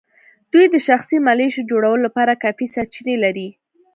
دوی د شخصي ملېشو جوړولو لپاره کافي سرچینې لري.